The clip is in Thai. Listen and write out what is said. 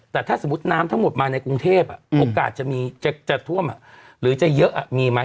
แต่ถ้าสมมุติน้ำทั้งหมดมาในกรุงเทพโอกาสจะท่วมหรือจะเยอะมีไหม